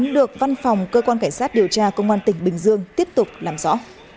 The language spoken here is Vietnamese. được văn phòng cơ quan cảnh sát điều tra công an tỉnh bình dương tiếp tục làm rõ